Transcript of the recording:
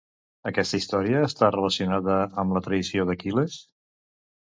Aquesta història està relacionada amb la traïció d'Aquil·les?